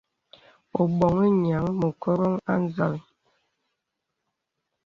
Ō boŋhi nīəŋ mə koròŋ à nzàl.